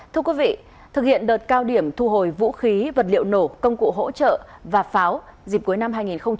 thưa quý vị thực hiện đợt cao điểm thu hồi vũ khí vật liệu nổ công cụ hỗ trợ và pháo dịp cuối năm hai nghìn hai mươi ba